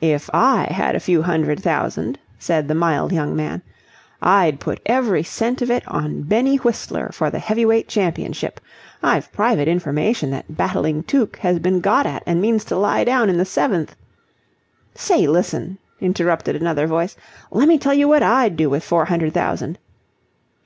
"If I had a few hundred thousand," said the mild young man, "I'd put every cent of it on Benny Whistler for the heavyweight championship. I've private information that Battling Tuke has been got at and means to lie down in the seventh..." "Say, listen," interrupted another voice, "lemme tell you what I'd do with four hundred thousand..."